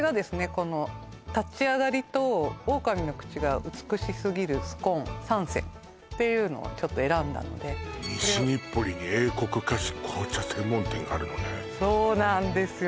この立ち上がりとオオカミの口が美しすぎるスコーン３選っていうのをちょっと選んだので西日暮里に英国菓子・紅茶専門店があるのねそうなんですよ